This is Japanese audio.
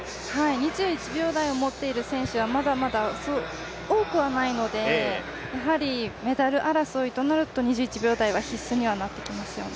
２１秒台を持っている選手はまだまだ多くはないので、メダル争いとなると、２１秒台は必須にはなってきますよね。